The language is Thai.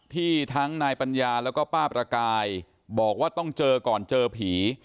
ที่ทั้งนายปัญญาแล้วก็ป้าประกายบอกว่าต้องเจอก่อนเจอผี